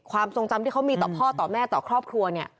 ความทรงจำที่เขามีต่อพ่อต่อแม่ต่อครอบครัวเนี่ย